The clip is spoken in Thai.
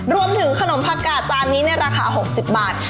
รวมถึงขนมผักกาจานนี้ในราคา๖๐บาท